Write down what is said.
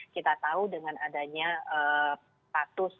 kita tahu dengan adanya status